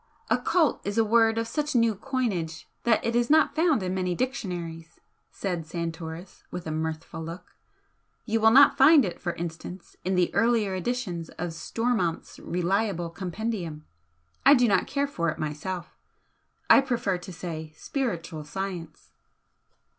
"'Occult' is a word of such new coinage that it is not found in many dictionaries," said Santoris, with a mirthful look "You will not find it, for instance, in the earlier editions of Stormonth's reliable compendium. I do not care for it myself; I prefer to say 'Spiritual science.'"